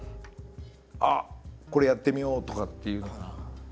あっこれやってみようとかっていうのが。